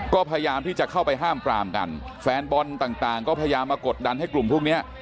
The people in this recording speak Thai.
ก็พยายามที่จะเข้าไปห้ามปรามกันแฟนบอลต่างต่างก็พยายามมากดดันให้กลุ่มพวกเนี้ย